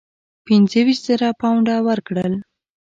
پنځه ویشت زره پونډه ورکړل.